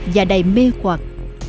và đầy mê hoạt